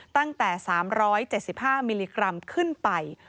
ตั้งแต่๓๗๕มิลลิกรัมขึ้นไป